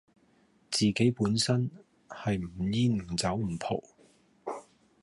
自己本身係唔煙唔酒唔浦